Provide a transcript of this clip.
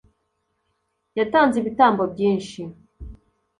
yatanze ibitambo byinshi,